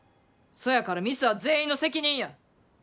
そやからミスは全員の責任や。